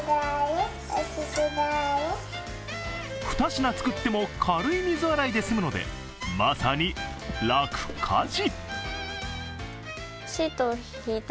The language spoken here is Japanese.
２品作っても軽い水洗いで済むので、まさに楽家事。